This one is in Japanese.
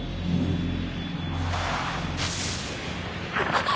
あっ！